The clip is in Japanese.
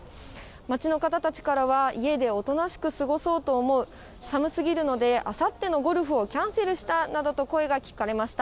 街の方たちからは、家でおとなしく過ごそうと思う、寒すぎるのであさってのゴルフをキャンセルしたなどと声が聞かれました。